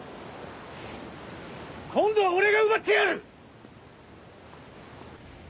今度は俺が奪ってやる！